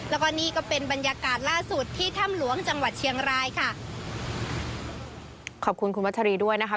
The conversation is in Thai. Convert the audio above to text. แล้วก็นี่ก็เป็นบรรยากาศล่าสุดที่ถ้ำหลวงจังหวัดเชียงรายค่ะขอบคุณคุณวัชรีด้วยนะคะ